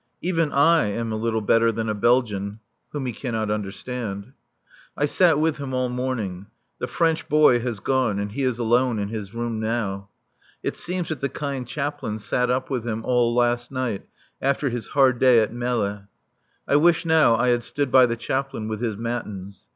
(Even I am a little better than a Belgian whom he cannot understand.) I sat with him all morning. The French boy has gone and he is alone in his room now. It seems that the kind Chaplain sat up with him all last night after his hard day at Melle. (I wish now I had stood by the Chaplain with his Matins.